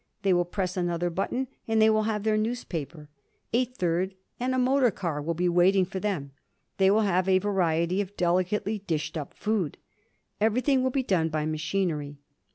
They will press another button, and they will have their newspaper. A third, and a motor car will be in waiting for them. They will have a variety of delicately dished up food. Everything will be done by machinery.